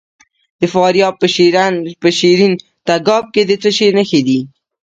د فاریاب په شیرین تګاب کې د څه شي نښې دي؟